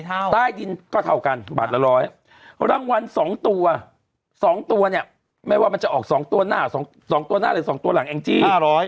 อันนี้เท่ารางวัล๒ตัวไม่ว่ามันจะออก๒ตัวหน้าหรือ๒ตัวหลังแองจี้